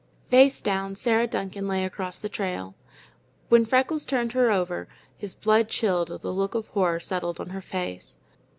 Face down, Sarah Duncan lay across the trail. When Freckles turned her over, his blood chilled at the look of horror settled on her face.